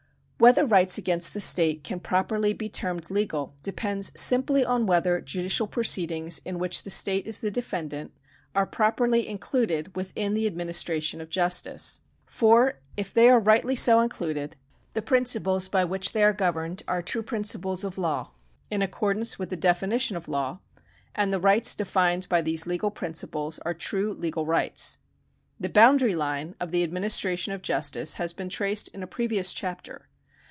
Whether rights against the state can properly be termed legal depends simply on whether judicial proceedings in which the state is the defendant are properly included within the administration of justice. For if they are rightly so included, the principles by which they are governed are true prin ciples of law, in accordance with the definition of law, and the rights defined by these legal principles are true legal rights. The boundary line of the administration of justice has been traced in a previous chapter.